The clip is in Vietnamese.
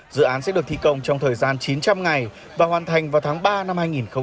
dự án sẽ được thi công trong thời gian chín trăm linh ngày và hoàn thành vào tháng ba năm hai nghìn hai mươi